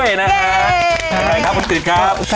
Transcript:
แฟนรายการเศรษฐีป้ายแดงครับบอสติฤทธิ์ครับ